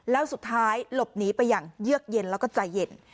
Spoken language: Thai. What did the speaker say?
แล้วสุดท้ายหลบหนีไปอย่างเยือกเย็นแล้วก็ใจเย็น